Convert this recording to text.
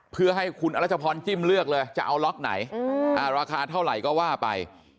เพื่อให้คุณอรัชพรจิ้มเลือกเลยจะเอาล็อกไหนราคาเท่าไหร่ก็ว่าไป